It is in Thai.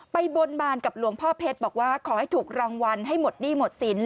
บนบานกับหลวงพ่อเพชรบอกว่าขอให้ถูกรางวัลให้หมดหนี้หมดสิน